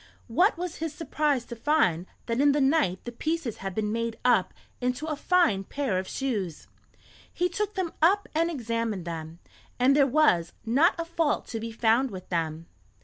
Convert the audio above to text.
What was his surprise to find that in the night the pieces had been made up into a fine pair of shoes. He took them up and examined them, and there was not a fault to be found with them.